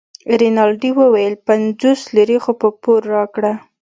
رینالډي وویل پنځوس لیرې خو په پور راکړه.